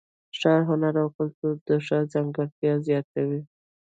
ښاري هنر او کلتور د ښار ځانګړتیا زیاتوي.